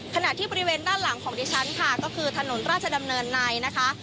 ขณะที่บริเวณด้านหลังของดิฉันค่ะก็คือถนนราชดำเนินในนะคะ